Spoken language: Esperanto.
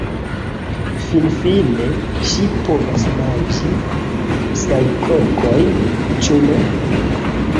Finfine, ŝi povas manĝi salikokojn, ĉu ne?